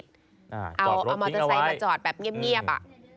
จอดรถปิ๊งเอาไว้เอามอเตอร์ไซด์มาจอดแบบเงียบอ่ะ